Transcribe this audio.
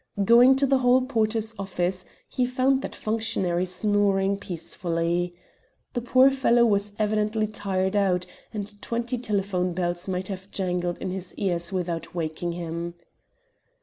Going to the hall porter's office he found that functionary snoring peacefully. The poor fellow was evidently tired out, and twenty telephone bells might have jangled in his ears without waking him.